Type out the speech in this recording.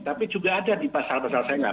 tapi juga ada di pasal pasal saya nggak